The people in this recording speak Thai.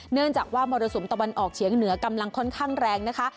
เนื่องจากว่ามรสุมตะวันออกเฉียงเหนือกำลังค่อนข้างแรงนะคะ